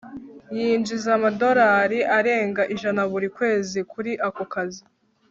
Yinjiza amadorari arenga ijana buri kwezi kuri ako kazi